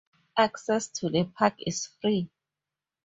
Access to the park is free.